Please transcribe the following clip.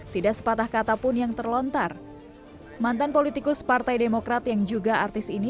tidak sepatah kata pun yang terlontar mantan politikus partai demokrat yang juga artis ini